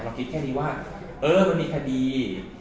คิดแค่นี้ว่าเออมันมีคดี